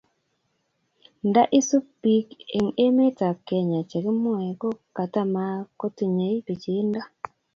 nda sup piik eng' emet ab kenya che kimwae ko katamkotinye pichiindo